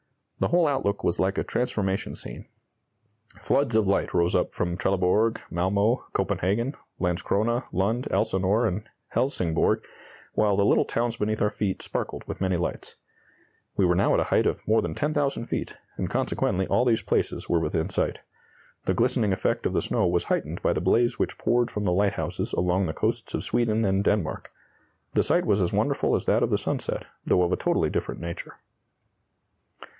The whole outlook was like a transformation scene. Floods of light rose up from Trelleborg, Malmö, Copenhagen, Landskrona, Lund, Elsinore, and Helsingborg, while the little towns beneath our feet sparkled with many lights. We were now at a height of more than 10,000 feet, and consequently all these places were within sight. The glistening effect of the snow was heightened by the blaze which poured from the lighthouses along the coasts of Sweden and Denmark. The sight was as wonderful as that of the sunset, though of a totally different nature."